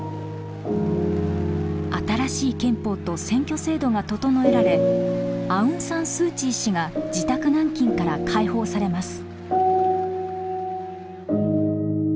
新しい憲法と選挙制度が整えられアウン・サン・スー・チー氏が自宅軟禁から解放されます。